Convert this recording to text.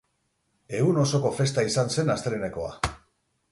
Egun osoko festa izan zen astelehenekoa.